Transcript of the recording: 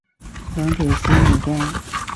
兩條線嚟嘅